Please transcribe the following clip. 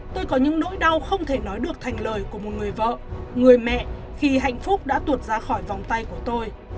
tôi có những nỗi đau không thể nói được thành lời của một người vợ người mẹ khi hạnh phúc đã tuột ra khỏi vòng tay của tôi